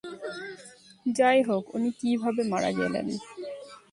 যাই হোক, উনি কিভাবে মারা গেলেন?